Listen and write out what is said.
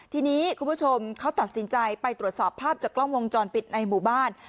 ทีนี้คุณผู้ชมเขาตัดสินใจไปตรวจสอบภาพจากกล้องวงจรปิดในหมู่บ้าน